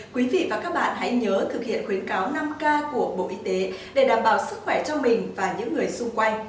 quý vị và các bạn hãy nhớ thực hiện khuyến cáo năm k của bộ y tế để đảm bảo sức khỏe cho mình và những người xung quanh